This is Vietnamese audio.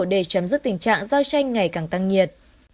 để chấm dứt tình trạng giao tranh ngày càng tăng nhiệt